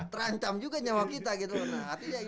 terancam juga nyawa kita gitu